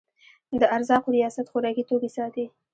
د ارزاقو ریاست خوراکي توکي ساتي